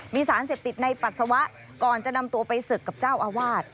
มีสารเสพติดในปัสสาวะก่อนจะนำตัวไปศึกกับเจ้าอาวาส